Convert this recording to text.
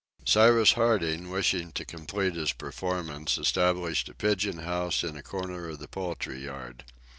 Cyrus Harding, wishing to complete his performance, established a pigeon house in a corner of the poultry yard.